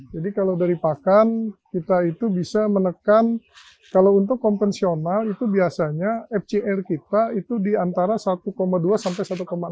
jadi kalau dari pakan kita itu bisa menekan kalau untuk konvensional itu biasanya fcr kita itu di antara satu dua sampai satu enam